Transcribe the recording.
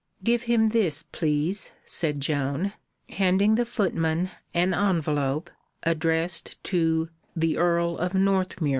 "Give him this, please," said Joan, handing the footman an envelope, addressed to "The Earl of Northmuir."